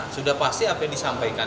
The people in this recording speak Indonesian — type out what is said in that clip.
sudah pasti apa yang disampaikan